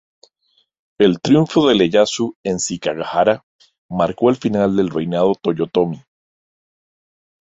El triunfo de Ieyasu en Sekigahara marcó el final del reinado Toyotomi.